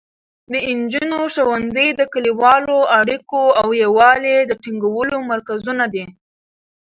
د نجونو ښوونځي د کلیوالو اړیکو او یووالي د ټینګولو مرکزونه دي.